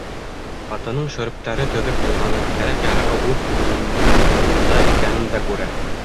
Атының шөрөптәре төҙөк булғанын, кәрәк-ярағы үҙ урынында икәнен дә күрә.